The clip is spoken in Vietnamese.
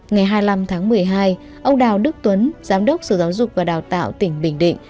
ngày hai mươi năm tháng một mươi hai ông đào đức tuấn giám đốc sở giáo dục và đào tạo tỉnh bình định